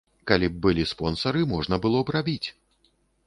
Калі б былі спонсары, можна было б рабіць.